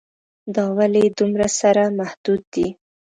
دا ولې دومره سره محدود دي.